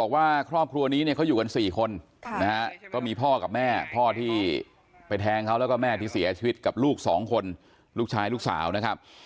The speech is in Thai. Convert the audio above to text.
บอกว่าครอบครัวนี้เนี่ยเขาอยู่กัน๔คนนะฮะก็มีพ่อกับแม่พ่อที่ไปแทงเขาแล้วก็แม่ที่เสียชีวิตกับลูกสองคนลูกชายลูกสาวนะครับ